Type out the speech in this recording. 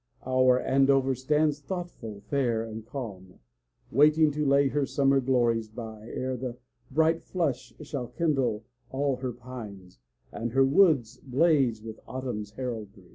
Our Andover stands thoughtful, fair, and calm, Waiting to lay her summer glories by E'er the bright flush shall kindle all her pines, And her woods blaze with autumn's heraldry.